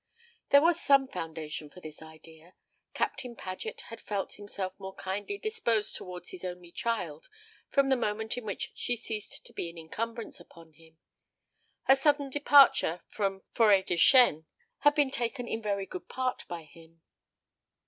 There was some foundation for this idea. Captain Paget had felt himself more kindly disposed towards his only child from the moment in which she ceased to be an encumbrance upon him. Her sudden departure from Forêtdechêne had been taken in very good part by him.